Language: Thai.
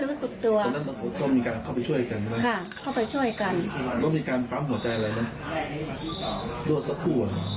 แล้วซะผู้